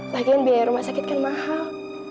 latihan biaya rumah sakit kan mahal